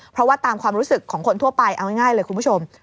เพราะว่าตามความรู้สึกของคนทั่วไปเอาง่ายเลยคุณผู้ชม